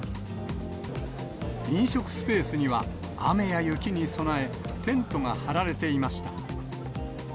飲食スペースには、雨や雪に備え、テントが張られていました。